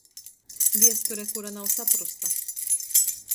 Viesture, kura nav saprosta!